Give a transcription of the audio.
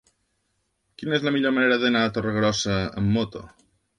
Quina és la millor manera d'anar a Torregrossa amb moto?